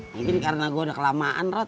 mungkin karena gua udah kelamaan rat